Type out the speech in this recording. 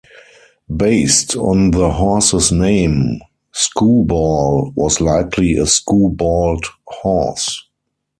Based on the horse's name, Skewball was likely a skewbald horse.